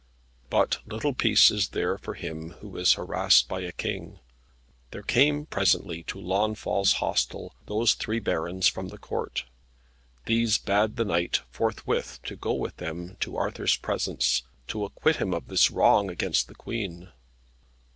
But little peace is there for him who is harassed by a King. There came presently to Launfal's hostel those three barons from the Court. These bade the knight forthwith to go with them to Arthur's presence, to acquit him of this wrong against the Queen.